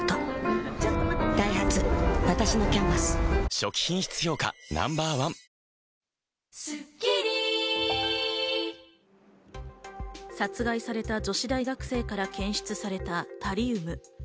初期品質評価Ｎｏ．１殺害された女子大学生から検出されたタリウム。